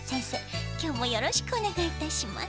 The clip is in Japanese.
きょうもよろしくおねがいいたします。